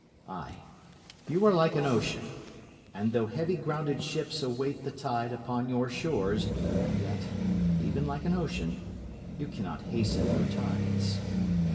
Ay, you are like an ocean, And though heavy grounded ships await the tide upon your shores, yet, even like an ocean, you cannot hasten your tides.